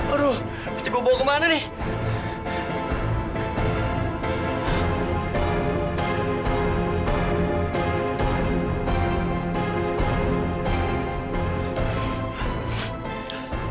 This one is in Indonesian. aduh kecik bubuk kemana nih